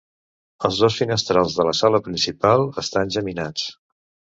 Els dos finestrals de la sala principal estan geminats.